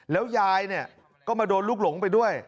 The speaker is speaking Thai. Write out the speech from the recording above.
แล้วยายเนี่ยก็มาโดนลูกหลงไปด้วย